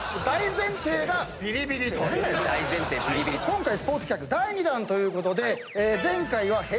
今回スポーツ企画第２弾ということで前回は平！